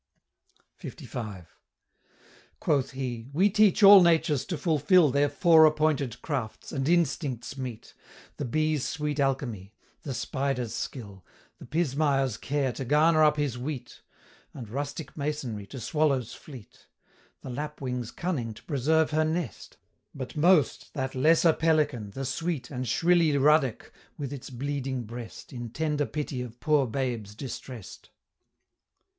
LV. Quoth he "We teach all natures to fulfil Their fore appointed crafts, and instincts meet, The bee's sweet alchemy, the spider's skill, The pismire's care to garner up his wheat, And rustic masonry to swallows fleet, The lapwing's cunning to preserve her nest, But most, that lesser pelican, the sweet And shrilly ruddock, with its bleeding breast, Its tender pity of poor babes distrest."